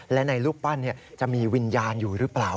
และในรูปปั้นจะมีวิญญาณอยู่หรือเปล่า